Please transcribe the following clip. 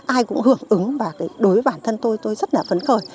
ai cũng hưởng ứng và đối với bản thân tôi tôi rất là phấn khởi